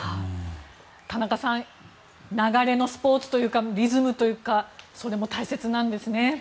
田中さん流れのスポーツというかリズムというかそれも大切なんですね。